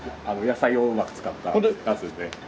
野菜をうまく使ったやつで。